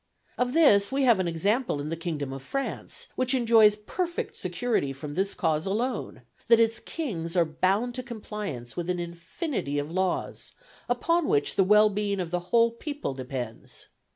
Of this we have an example in the kingdom of France, which enjoys perfect security from this cause alone, that its kings are bound to compliance with an infinity of laws upon which the well being of the whole people depends.